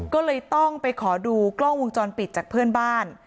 ก็เลยต้องไปขอดูกล้องวงจรปิดจากเพื่อนบ้าน